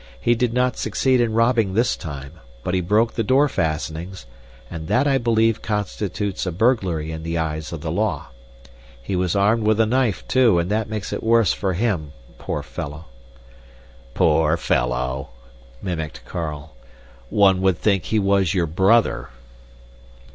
He did not succeed in robbing this time, but he broke the door fastenings, and that I believe constitutes a burglary in the eyes of the law. He was armed with a knife, too, and that makes it worse for him, poor fellow!" "Poor fellow!" mimicked Carl. "One would think he was your brother!"